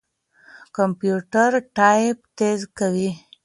کمپيوټر ټايپ تېز کوي.